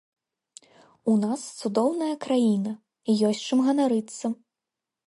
У нас цудоўная краіна, ёсць чым ганарыцца.